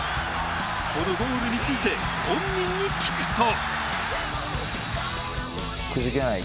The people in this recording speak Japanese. このゴールについて本人に聞くと。